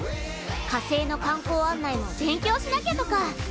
火星の観光案内の勉強しなきゃとか。